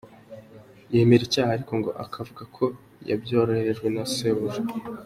Yemera icyaha ariko ngo akavuga ko yabyohejwe na sebuja.